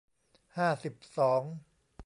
ห้าสิบสอง